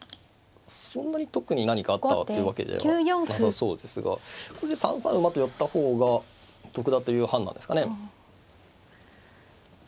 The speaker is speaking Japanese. そんなに特に何かあったっていうわけではなさそうですがここで３三馬と寄った方が得だという判断ですかね。